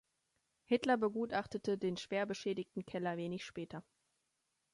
Hitler begutachtete den schwer beschädigten Keller wenig später.